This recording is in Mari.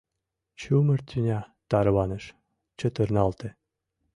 Чумыр тӱня тарваныш, чытырналте.